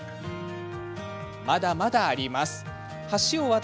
まだまだありますよ。